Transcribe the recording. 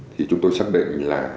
thì chúng tôi xác định là